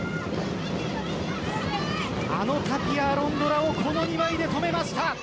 あのタピア・アロンドラをこの２枚で止めました。